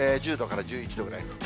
１０度から１１度ぐらい。